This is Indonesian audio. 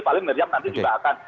paling miriam nanti juga akan